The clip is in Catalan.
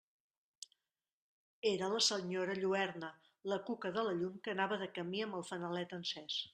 Era la senyora Lluerna, la cuca de la llum que anava de camí amb el fanalet encés.